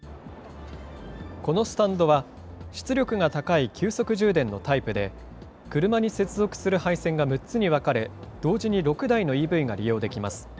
このスタンドは、出力が高い急速充電のタイプで、車に接続する配線が６つに分かれ、同時に６台のＥＶが利用できます。